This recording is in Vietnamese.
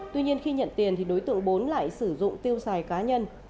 tuy nhiên khi nhận tiền thì đối tượng bốn lại sử dụng tiêu xài cá nhân